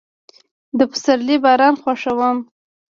زه د پسرلي باران خوښوم.